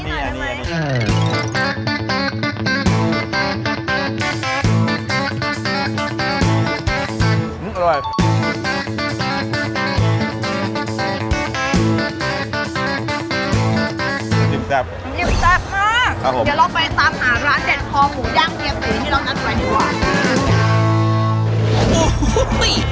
เดี๋ยวเราไปตามหาร้านเจ็ดขอหมูย่างเกียรติศีรภีร์ที่เรานัดไว้ดีกว่า